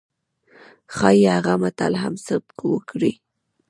ښايي هغه متل هم صدق وکړي.